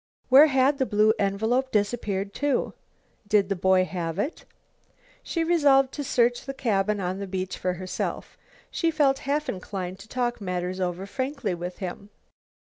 Where had the blue envelope disappeared to? Did the boy have it? She resolved to search the cabin on the beach for herself. She felt half inclined to talk matters over frankly with him.